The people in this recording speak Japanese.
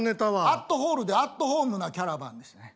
「アットホールで、アットホームなキャラバン」ですね。